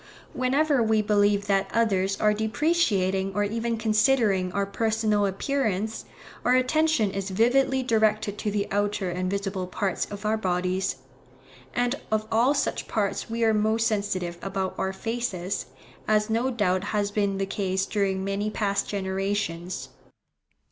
Whenever we believe that others are depreciating or even considering our personal appearance, our attention is vividly directed to the outer and visible parts of our bodies; and of all such parts we are most sensitive about our faces, as no doubt has been the case during many past generations.